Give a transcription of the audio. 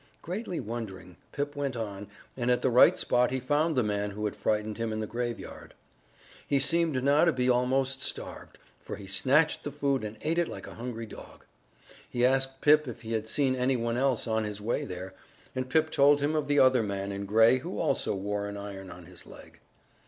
Greatly wondering, Pip went on, and at the right spot he found the man who had frightened him in the graveyard. He seemed now to be almost starved, for he snatched the food and ate it like a hungry dog. He asked Pip if he had seen any one else on his way there, and Pip told him of the other man in gray who also wore an iron on his leg.